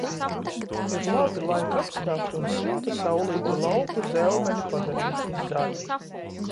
Ir labi laika apstākļi un silta saulīte lauku zelmeni padarījusi zaļu.